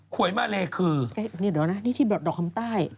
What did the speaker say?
วยมาเลคือนี่เดี๋ยวนะนี่ที่ดอกคำใต้